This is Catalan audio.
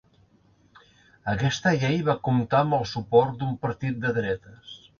Aquesta llei va comptar amb el suport d'un partit de dretes.